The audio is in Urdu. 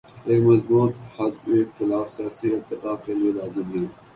ایک مضبوط حزب اختلاف سیاسی ارتقا کے لیے لازم ہے۔